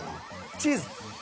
チーズ！